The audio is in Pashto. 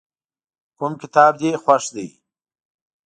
کوم کتاب دې خوښ دی.